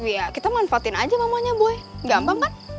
ya kita manfaatin aja mamanya boy gampang kan